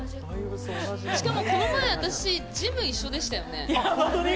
しかもこの前、私、ジム一緒でしたよね？